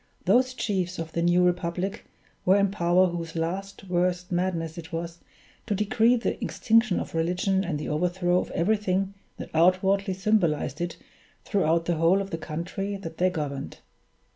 Those chiefs of the new republic were in power whose last, worst madness it was to decree the extinction of religion and the overthrow of everything that outwardly symbolized it throughout the whole of the country that they governed.